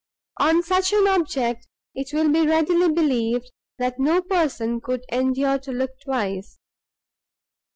On such an object, it will be readily believed, that no person could endure to look twice.